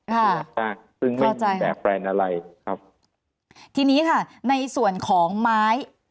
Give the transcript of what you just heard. ค่ะซึ่งไม่มีแบบแปรนอะไรครับทีนี้ค่ะในส่วนของไม้